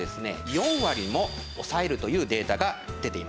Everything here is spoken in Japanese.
４割も抑えるというデータが出ています。